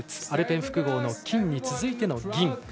アルペン複合の金に続いての銀。